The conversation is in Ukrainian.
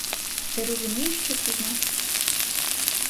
Ти розумієш, що це значить?